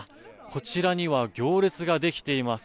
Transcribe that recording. こちらには行列ができています。